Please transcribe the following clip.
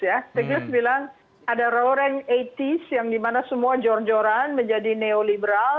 stiglitz bilang ada roaring delapan puluh 's yang dimana semua jor joran menjadi neoliberal